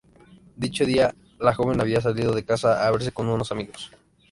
Dicho día, la joven había salido de casa "a verse con unos amigos".